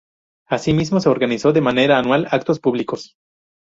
Asimismo se organizó de manera anual actos públicos.